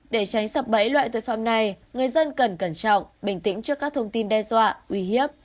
để tránh sập bẫy loại tội phạm này người dân cần cẩn trọng bình tĩnh trước các thông tin đe dọa uy hiếp